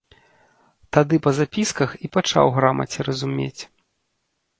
Тады па запісках і пачаў грамаце разумець.